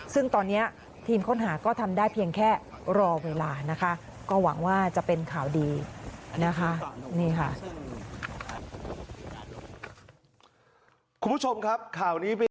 ซึ่งตอนนี้ทีมค้นหาก็ทำได้เพียงแค่รอเวลานะคะก็หวังว่าจะเป็นข่าวดีนะคะ